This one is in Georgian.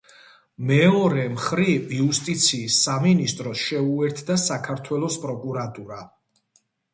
მეორე მხრივ, იუსტიციის სამინისტროს შეუერთდა საქართველოს პროკურატურა.